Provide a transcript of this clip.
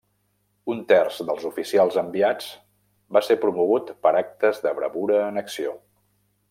Un terç dels oficials enviats va ser promogut per actes de bravura en acció.